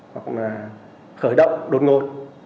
hoặc là khởi động đột ngột